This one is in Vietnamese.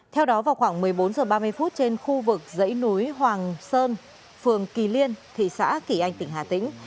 theo đó vào khoảng một mươi bốn h ba mươi phút trên khu vực dãy núi hoàng sơn phường kỳ liên thị xã kỳ anh tỉnh hà tĩnh